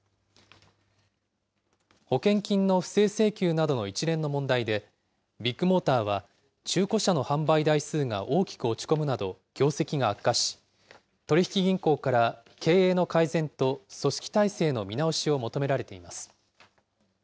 保険金の不正請求などの一連の問題で、ビッグモーターは、中古車の販売台数が大きく落ち込むなど、業績が悪化し、取り引き銀行から経営の改善と組織体制の見直しを求められています。